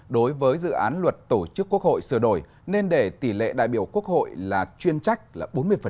đối với dự án luật tổ chức quốc hội sửa đổi nên để tỷ lệ đại biểu quốc hội là chuyên trách là bốn mươi